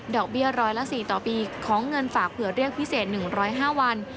ดอกเบี้ย๑๐๔ต่อปีของเงินฝากเพื่อเรียกพิเศษ๑๐๕วัน